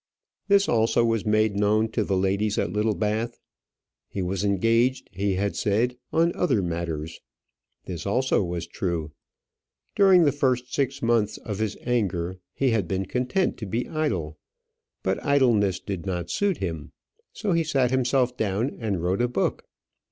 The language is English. This also was made known to the ladies at Littlebath. He was engaged, he had said, on other matters. This also was true. During the first six months of his anger, he had been content to be idle; but idleness did not suit him, so he sat himself down and wrote a book.